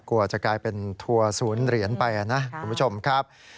กลัวจะกลายเป็นทัวร์ศูนย์เหรียญไปนะคุณผู้ชมครับ